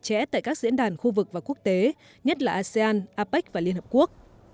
với các diễn đàn khu vực và quốc tế nhất là asean apec và liên hợp quốc